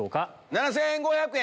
７５００円！